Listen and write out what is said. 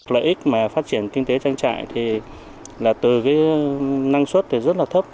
lợi ích phát triển kinh tế trang trại là từ năng suất rất thấp